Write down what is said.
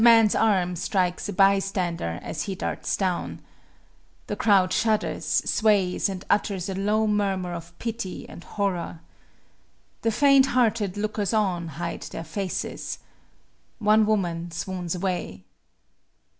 The man's arm strikes a bystander as he darts down. The crowd shudders, sways, and utters a low murmur of pity and horror. The faint hearted lookers on hide their faces. One woman swoons away.